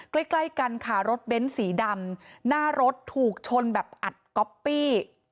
ใกล้ใกล้กันค่ะรถเบ้นสีดำหน้ารถถูกชนแบบอัดก๊อปปี้